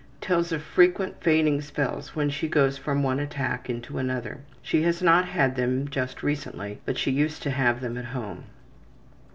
Tells of frequent fainting spells when she goes from one attack into another. She has not had them just recently, but she used to have them at home.